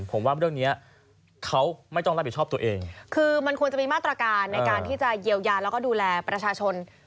ผมว่าเรื่องเนี้ยเขาไม่ต้องรับผิดชอบตัวเองคือมันควรจะมีมาตรการในการที่จะเยียวยาแล้วก็ดูแลประชาชน